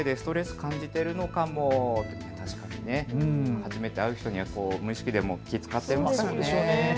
初めて会う人に無意識でも気を遣っていますよね。